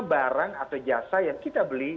barang atau jasa yang kita beli